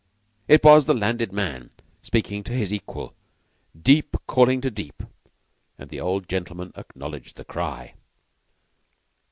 It was the landed man speaking to his equal deep calling to deep and the old gentleman acknowledged the cry.